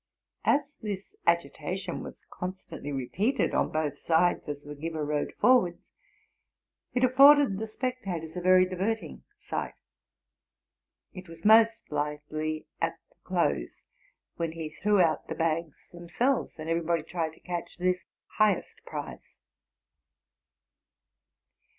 As this agitation was const: antly repeated on both sides as the giver rode forwards, it afforded the spectators a very diverting sight. It was most lively at the close, when he threw out the bags themselves, and every body tried to catch this highest prize.